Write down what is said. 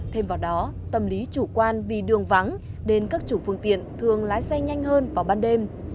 thêm vào đó tâm lý chủ quan vì đường vắng nên các chủ phương tiện thường lái xe nhanh hơn vào ban đêm